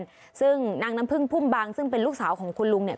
ซึ่งนางน้ำพึ่งพุ่มบางซึ่งเป็นลูกสาวของคุณลุงเนี่ย